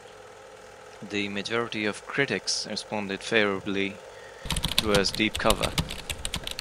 The majority of critics responded favorably towards "Deep Cover".